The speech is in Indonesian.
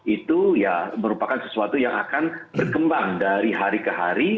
itu ya merupakan sesuatu yang akan berkembang dari hari ke hari